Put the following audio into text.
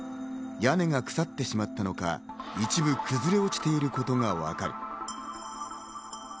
屋根が腐ってしまったのか、一部、崩れ落ちていることがわかる。